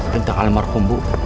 tentang almarhum bu